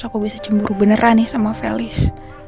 aku bisa cemburu beneran nih sama felis